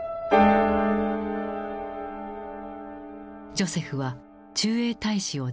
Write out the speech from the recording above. ジョセフは駐英大使を辞任。